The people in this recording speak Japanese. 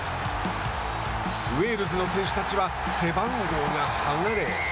ウェールズの選手たちは背番号が剥がれ。